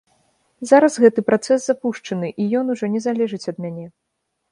Зараз гэты працэс запушчаны, і ён ужо не залежыць ад мяне.